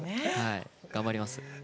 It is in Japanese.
頑張ります。